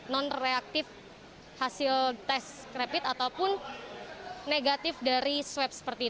non reaktif hasil tes rapid ataupun negatif dari swab